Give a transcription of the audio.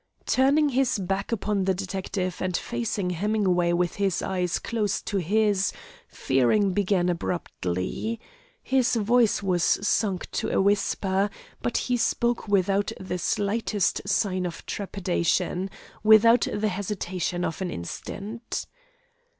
Turning his back upon the detective, and facing Hemingway with his eyes close to his, Fearing began abruptly. His voice was sunk to a whisper, but he spoke without the slightest sign of trepidation, without the hesitation of an instant.